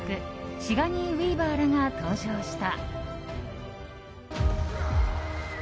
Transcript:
シガニー・ウィーバーらが登場した。